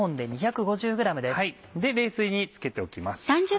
冷水につけておきます。